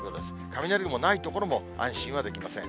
雷雲ない所も安心はできません。